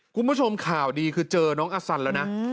คุณผู้ชมข่าวดีคือเจอน้องอาสันแล้วนะ